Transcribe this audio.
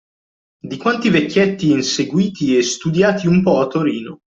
Di quanti vecchietti inseguiti e studiati un po' a Torino